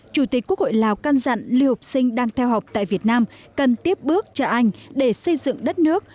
chủ tịch quốc hội lào căn dặn lưu học sinh đang theo học tại việt nam cần tiếp bước cho anh để xây dựng đất nước